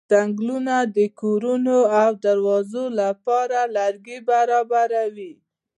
څنګلونه د کورونو او دروازو لپاره لرګي برابروي.